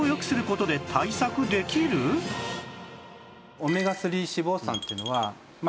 オメガ３脂肪酸というのはまあ